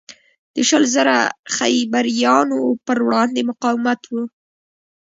د شل زره خیبریانو پروړاندې مقاومت و.